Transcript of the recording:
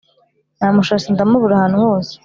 Namushatse ndamubura ahantu hose